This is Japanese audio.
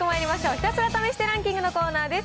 ひたすら試してランキングのコーナーです。